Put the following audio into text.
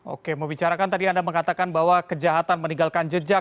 oke membicarakan tadi anda mengatakan bahwa kejahatan meninggalkan jejak